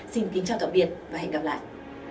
xin kính chào tạm biệt và hẹn gặp lại